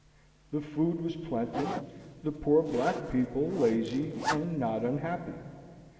The food was plenty; the poor black people lazy and not unhappy.